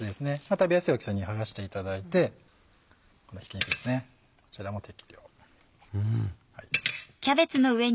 食べやすい大きさに剥がしていただいてひき肉ですねこちらも適量。